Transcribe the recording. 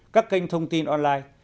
các kênh thông tin online